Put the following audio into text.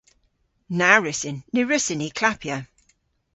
Na wrussyn. Ny wrussyn ni klappya.